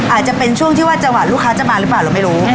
อาจจะเป็นช่วงที่ว่าจังหวะลูกค้าจะมาหรือเปล่าเราไม่รู้